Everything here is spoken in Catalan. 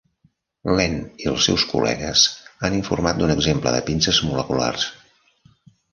Lehn i els seus col·legues han informat d'un exemple de pinces moleculars.